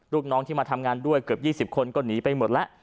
ลูกน้องที่มาทำงานด้วยเกือบ๒๐คนก็หนีไปหมดแล้ว